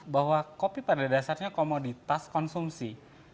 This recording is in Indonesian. bahwa kopi pada dasarnya komoditas konsumsi